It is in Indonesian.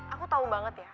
aku tau banget ya